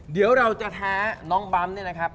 เดี๋ยวเราจะท้าน้องบำนี่นะครับ